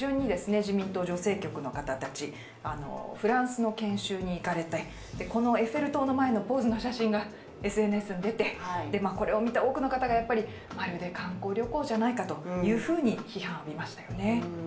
７月下旬に自民党女性局の方たち、フランスの研修に行かれてこのエッフェル塔の前のポーズの写真がＳＮＳに出て、これを見た多くの方がまるで観光旅行じゃないかと、批判を浴びましたよね。